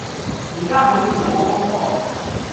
而家好似冇風喎